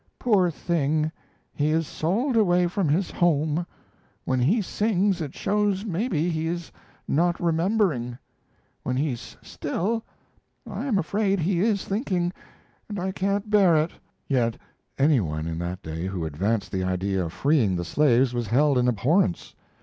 "Poor thing! He is sold away from his home. When he sings it shows maybe he is not remembering. When he's still I am afraid he is thinking, and I can't bear it." Yet any one in that day who advanced the idea of freeing the slaves was held in abhorrence.